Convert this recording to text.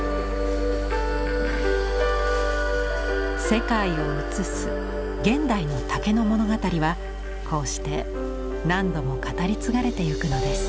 世界を映す現代の竹の物語はこうして何度も語り継がれていくのです。